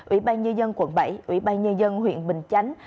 ủy ban nhân dân quận bảy ủy ban nhân dân huyện bình chánh